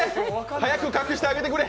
早く隠してあげてくれ！